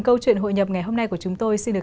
câu chuyện hội nhập ngày hôm nay của chúng tôi xin được